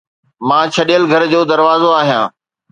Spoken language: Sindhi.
مان ڇڏيل گهر جو دروازو آهيان